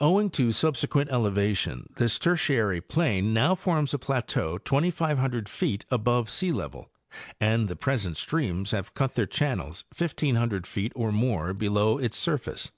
Owing to subsequent elevation this Tertiary plain now forms a plateau 2,500 feet above sealevel and the present streams have cut their channels 1,500 feet or more below its surface.